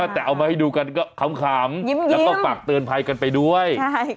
แต่เอามาให้ดูกันก็ขำแล้วก็ฝากเตือนภัยกันไปด้วย